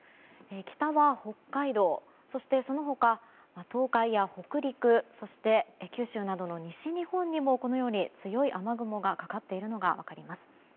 北は北海道そしてその他、東海や北陸そして、九州などの西日本にも強い雨雲がかかっているのが分かります。